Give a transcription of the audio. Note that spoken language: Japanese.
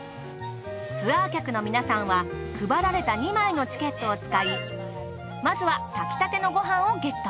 ツアー客の皆さんは配られた２枚のチケットを使いまずは炊きたてのご飯をゲット。